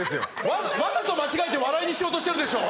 わざと間違えて笑いにしようとしてるでしょ！